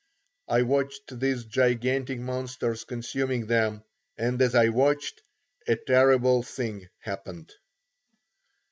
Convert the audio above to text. I watched these gigantic monsters consuming them and as I watched a terrible thing happened.